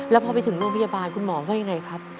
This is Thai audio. แล้วพอไปถึงโรงพยาบาลคุณหมอว่ายังไงครับ